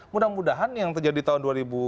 mudah mudahan yang terjadi tahun dua ribu delapan belas